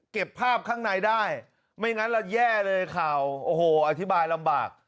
เก็บภาพข้างในได้ไม่งั้นเราแย่เลยข่าวโอ้โหอธิบายลำบาก